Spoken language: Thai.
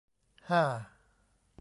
ฮ่า !